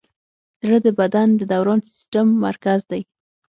زړه د بدن د دوران سیسټم مرکز دی.